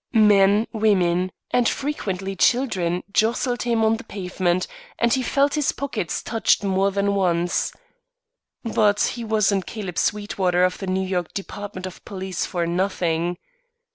Men, women, and frequently children, jostled him on the pavement, and he felt his pockets touched more than once. But he wasn't Caleb Sweetwater of the New York department of police for nothing.